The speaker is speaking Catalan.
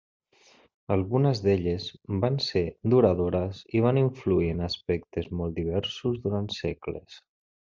Algunes d'elles van ser duradores i van influir en aspectes molt diversos durant segles.